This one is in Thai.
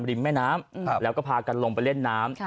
ริมแม่น้ำแล้วก็พากันลงไปเล่นน้ำ